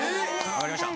分かりました。